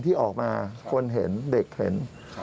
ที่ออกมาคนเห็นเด็กเห็น